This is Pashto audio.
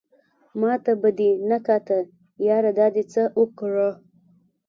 ماته به دې نه کاته ياره دا دې څه اوکړه